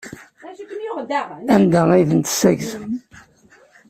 Anda ay ten-tessaggzem?